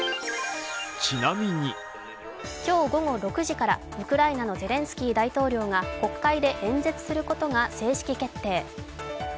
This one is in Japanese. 今日午後６時からウクライナのゼレンスキー大統領が国会で演説することが正式決定。